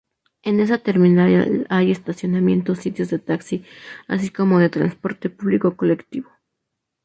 En esa terminal hay estacionamiento, sitios de taxis, así como de transporte publico colectivo.